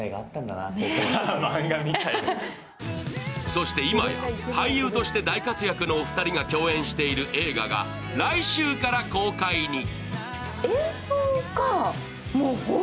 そして今や俳優として大活躍のお二人が共演している映画が来週から公開に。